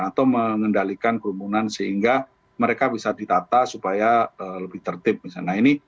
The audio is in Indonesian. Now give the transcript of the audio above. atau mengendalikan kerumunan sehingga mereka bisa ditata supaya lebih tertib misalnya